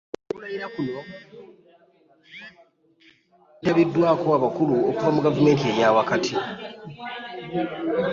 Okulayira kuno kwetabiddwako abakulu okuva mu gavumenti eya wakati